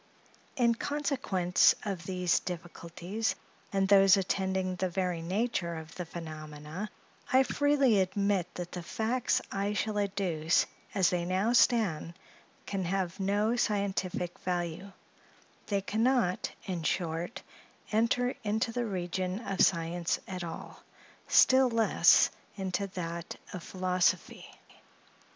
In consequence of these difficulties and those attending the very nature of the phenomena, I freely admit that the facts I shall adduce, as they now stand, can have no scientific value; they can not in short, enter into the region of science at all, still less into that of philosophy.